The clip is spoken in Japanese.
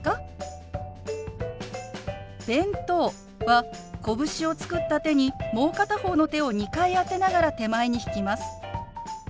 「弁当」はこぶしを作った手にもう片方の手を２回当てながら手前に引きます。